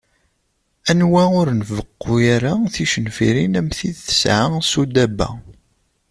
Anwa ur nbeqqu ara ticenfirin am tid tesɛa Sudaba.